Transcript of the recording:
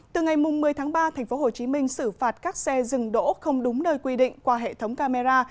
từ ngày một mươi tháng ba tp hcm xử phạt các xe dừng đỗ không đúng nơi quy định qua hệ thống camera